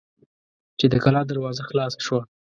چې د کلا دروازه خلاصه شوه.